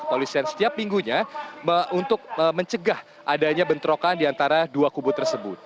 kepolisian setiap minggunya untuk mencegah adanya bentrokan diantara dua kubu tersebut